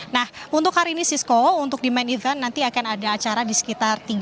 nah untuk hari ini sisco untuk di main event nanti akan ada acara di sekitar